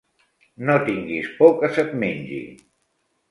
No tinguis por que se't mengi.